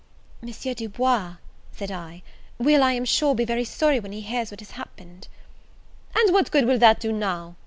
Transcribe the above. "M. Du Bois," said I, "will, I am sure, be very sorry when he hears what has happened." "And what good will that do now?